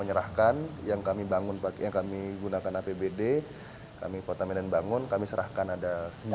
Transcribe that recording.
kami serahkan yang kami bangun pakai kami gunakan apbd kami kota medan bangun kami serahkan ada